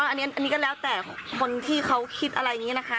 อันนี้ก็แล้วแต่คนที่เขาคิดอะไรอย่างนี้นะคะ